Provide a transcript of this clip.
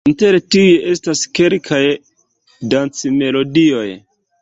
Inter tiuj estas kelkaj dancmelodioj.